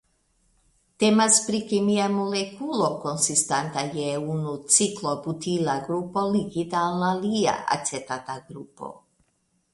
Temas pri kemia molekulo konsistanta je unu ciklobutila grupo ligita al alia acetata grupo.